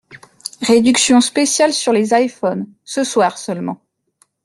Réduction spéciale sur les iphones, ce soir seulement.